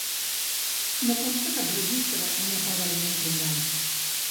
No consta cap registre on aparegui en combat.